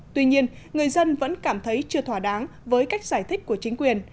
tuy nhiên người dân vẫn cảm thấy chưa thỏa đáng với cách giải thích của chính quyền